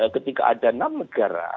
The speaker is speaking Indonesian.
ketika ada enam negara